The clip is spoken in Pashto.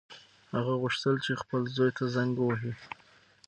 هغه غوښتل چې خپل زوی ته زنګ ووهي.